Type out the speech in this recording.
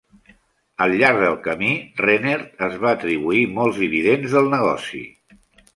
Al llarg del camí, Rennert es va atribuir molts dividends del negoci.